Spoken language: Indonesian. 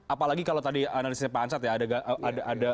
apalagi kalau tadi analisisnya pak ansat ya